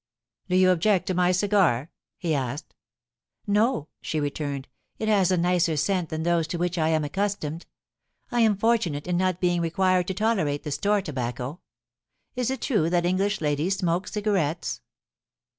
* Do you object to my cigar ?* he asked. *No,' she returned, *it has a nicer scent than those to which I am accustomed. I am fortunate in not being re quired to tolerate the store tobacco. Is it true that English ladies smoke cigarettes